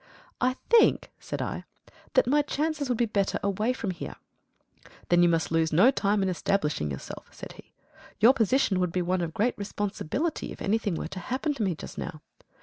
"I think," said I, "that, my chances would be better away from here." "Then you must lose no time in establishing yourself," said he. "Your position would be one of great responsibility if anything were to happen to me just now.